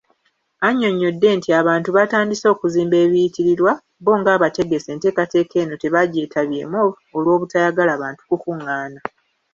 Annyonnyodde nti abantu baatandise okuzimba ebiyitirirwa, bbo ng'abategesi enteekateeka eno tebagyetabyemu olw'obutayagala bantu kukungaana.